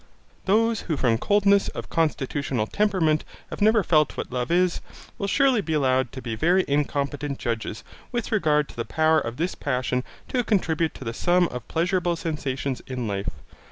Those who from coldness of constitutional temperament have never felt what love is, will surely be allowed to be very incompetent judges with regard to the power of this passion to contribute to the sum of pleasurable sensations in life.